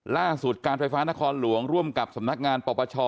ล่าสุดการไฟฟ้านครหลวงร่วมกับสำนักงานปปช